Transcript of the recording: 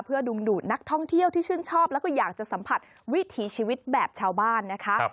เพื่อดึงดูดนักท่องเที่ยวที่ชื่นชอบแล้วก็อยากจะสัมผัสวิถีชีวิตแบบชาวบ้านนะคะ